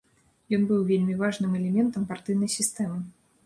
Ён быў вельмі важным элементам партыйнай сістэмы.